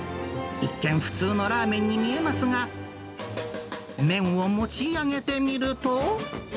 一見、普通のラーメンに見えますが、麺を持ち上げてみると。